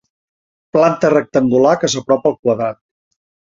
Planta rectangular que s'apropa al quadrat.